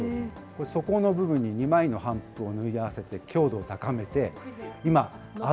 これ、底の部分に２枚の帆布を縫い合わせて強度を高めて、今、ア